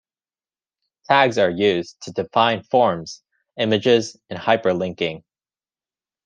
Tags are used to define forms, images, and hyper-linking.